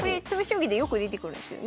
将棋でよく出てくるんですよ。